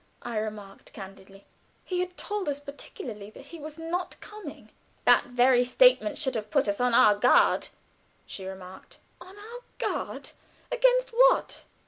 I remarked, candidly. "He had told us particularly that he was not coming." "That very statement should have put us on our guard," she remarked. "On our guard? Against what?"